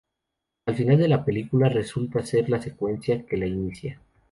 El final de la película resulta ser la secuencia que la inicia.